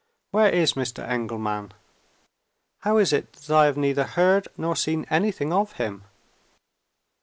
Where is Mr. Engelman? How is it that I have neither heard nor seen anything of him?"